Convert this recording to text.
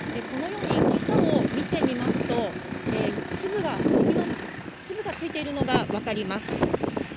このように傘を見てみますと、雪の粒がついているのがわかります。